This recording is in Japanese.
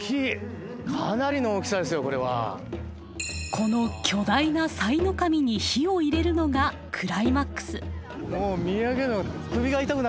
この巨大なさいの神に火を入れるのがクライマックス。